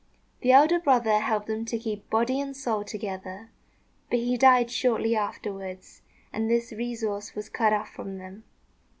The elder brother helped them to keep body and soul together, but he died shortly afterwards, and this resource was cut off from them.